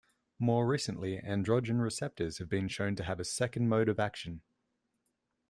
More recently, androgen receptors have been shown to have a second mode of action.